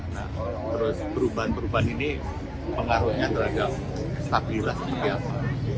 nah terus perubahan perubahan ini pengaruhnya terhadap stabilitas seperti apa